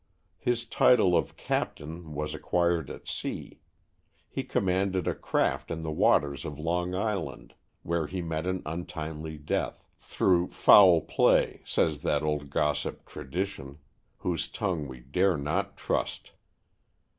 His title of "captain" was acquired at sea. He commanded a craft in the waters of Long Island, where he met an untimely death through "foul play," says that old gossip Tradition, whose tongue we dare not trust.